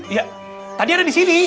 iya tadi ada di sini